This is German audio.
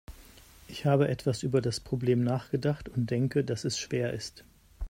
Ich habe etwas über das Problem nachgedacht und denke, dass es schwer ist.